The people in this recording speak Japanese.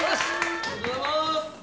おめでとうございます！